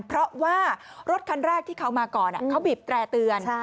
เพราะว่ารถคันแรกที่เขามาก่อนเขาบีบแตร่เตือน